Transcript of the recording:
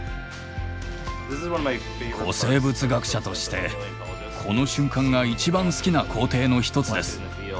古生物学者としてこの瞬間が一番好きな工程の一つです。